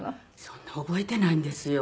そんな覚えてないんですよ。